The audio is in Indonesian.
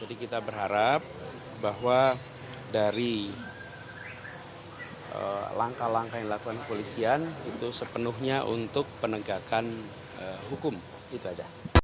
jadi kita berharap bahwa dari langkah langkah yang dilakukan kepolisian itu sepenuhnya untuk penegakan hukum itu saja